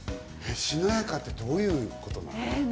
しなやかってどういうこと？